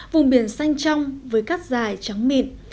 vùng biển xanh trong với các dài trắng mịn